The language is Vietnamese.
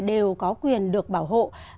đều có quyền được bảo hộ